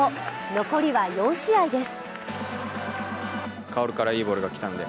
残りは４試合です。